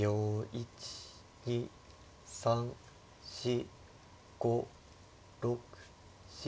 １２３４５６７。